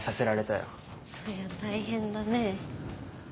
そりゃ大変だね。